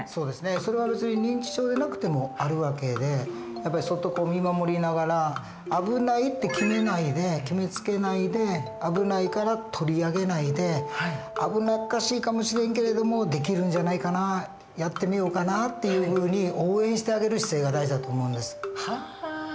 それは別に認知症でなくてもある訳でやっぱりそっと見守りながら危ないって決めないで決めつけないで危ないから取り上げないで危なっかしいかもしれんけれどもできるんじゃないかなやってみようかなっていうふうに応援してあげる姿勢が大事だと思うんです。